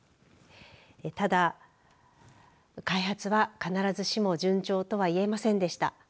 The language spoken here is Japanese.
ただ開発は必ずしも順調とは言えませんでした。